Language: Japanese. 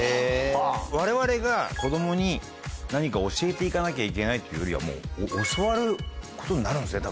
われわれが子供に何か教えて行かなきゃいけないっていうよりはもう教わることになるんですね